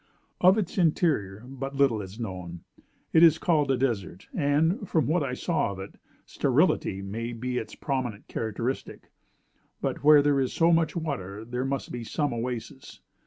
Of its interior, but little is known. It is called a desert, and, from what I saw of it, sterility may be its prominent characteristic; but where there is so much water there must be some oasis.